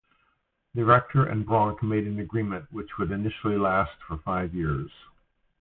The rector and Bronk made an agreement which would initially last for five years.